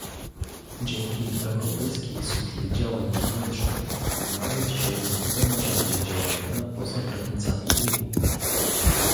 Dzięki Europejskiej Służbie Działań Zewnętrznych mamy dzisiaj nowe narzędzia działania poza granicami Unii